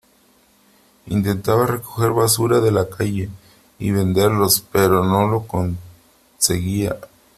Intentaba recoger basura de la calle y venderlos, pero no lo conseguía.